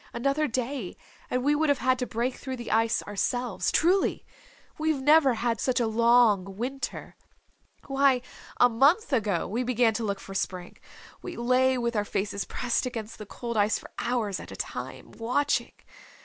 Another day and we would have had to break through the ice ourselves. Truly. We've never had such a long winter. Why, a month ago we began to look for Spring. We lay with our faces pressed against the cold ice for hours at a time, watching.